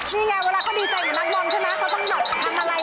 นี่ไงเวลาเขาดีใจเหมือนนักบอลใช่ไหม